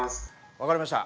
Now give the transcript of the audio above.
分かりました。